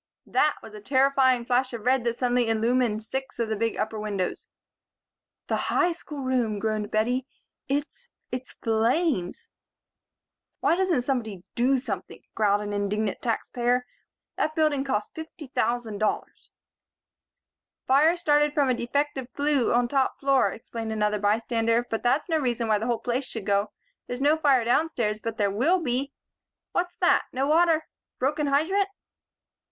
"That" was a terrifying flash of red that suddenly illumined six of the big upper windows. "The High School room," groaned Bettie. "It's it's flames!" "Hang it!" growled an indignant tax payer. "Why doesn't somebody do something? That building cost fifty thousand dollars." "Fire started from a defective flue on top floor," explained another bystander, "but that's no reason why the whole place should go. There's no fire downstairs, but there will be What's that? No water? Broken hydrant?"